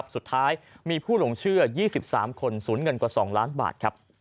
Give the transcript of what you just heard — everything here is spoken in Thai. สุดท้ายมีผู้หลงเชื่อ๒๓คนศูนย์เงินกว่า๒ล้านบาท